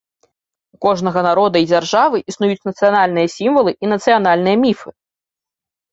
У кожнага народа і дзяржавы існуюць нацыянальныя сімвалы і нацыянальныя міфы.